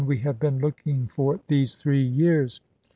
we have been looking for these three years."